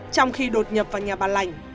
trong khi đột nhập vào nhà bà lảnh